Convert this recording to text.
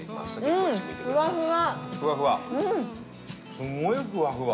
すごいふわふわ。